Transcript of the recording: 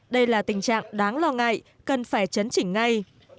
đây là tình trạng đáng lo ngại cần phải chấn chỉnh ngay